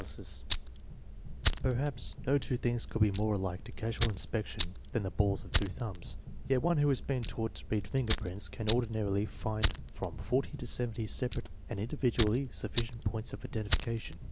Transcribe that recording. PRINCIPLES OF INTELLIGENCE TESTING 5 Perhaps no two things could be more alike to casual inspection than the balls of two thumbs; yet one who has been taught to read finger prints can ordinarily find from forty to seventy separate and individually sufficient points of identification.